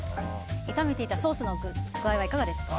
炒めていたソースの具合はいかがですか？